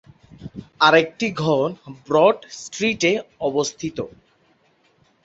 আরেকটি ঘর ব্রড স্ট্রিটে অবস্থিত।